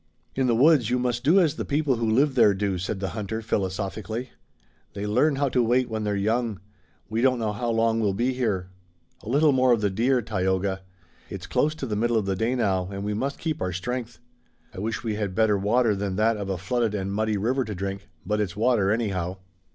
"In the woods you must do as the people who live there do," said the hunter philosophically. "They learn how to wait when they're young. We don't know how long we'll be here. A little more of the deer, Tayoga. It's close to the middle of the day now and we must keep our strength. I wish we had better water than that of a flooded and muddy river to drink, but it's water, anyhow."